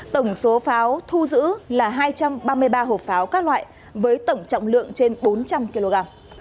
tổng số pháo thu giữ là hai trăm ba mươi ba hộp pháo các loại với tổng trọng lượng trên bốn trăm linh kg